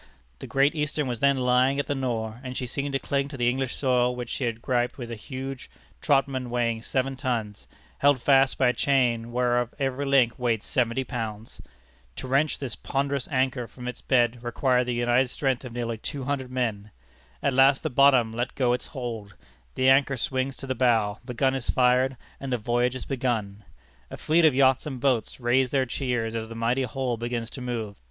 The Great Eastern was then lying at the Nore, and she seemed to cling to the English soil which she had griped with a huge Trotman weighing seven tons, held fast by a chain whereof every link weighed seventy pounds! To wrench this ponderous anchor from its bed required the united strength of near two hundred men. At last the bottom lets go its hold, the anchor swings to the bow, the gun is fired, and the voyage is begun. A fleet of yachts and boats raise their cheers as the mighty hull begins to move.